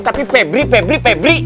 tapi pebri pebri pebri